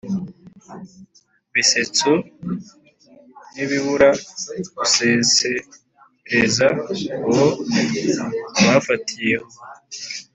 bisetso, ntibibura gusesereza uwo bafatiye ho